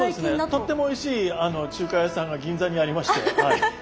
とってもおいしい中華屋さんが銀座にありましてはい。